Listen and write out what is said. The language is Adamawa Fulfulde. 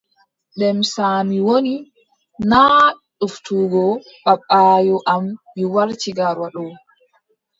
Demsa mi woni. naa ɗoftugo babbaayo am mi warti Garwa ɗo.